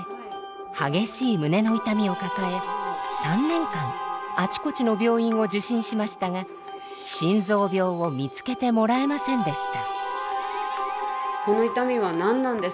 激しい胸の痛みを抱え３年間あちこちの病院を受診しましたが心臓病を見つけてもらえませんでした。